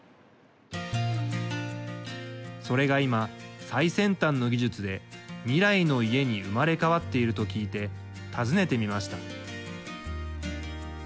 それが今、最先端の技術で未来の家に生まれ変わっていると聞いて訪ねてみました。